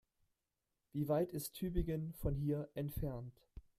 Wie weit ist Tübingen von hier entfernt?